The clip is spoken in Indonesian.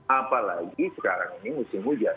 apalagi sekarang ini musim hujan